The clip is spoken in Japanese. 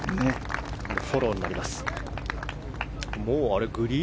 フォローになります。